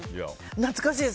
懐かしいです。